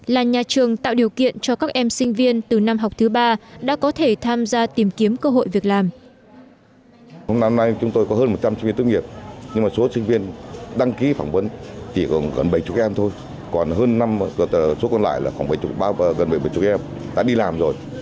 là nhà trường tạo điều kiện cho các em sinh viên từ năm học thứ ba đã có thể tham gia tìm kiếm cơ hội việc làm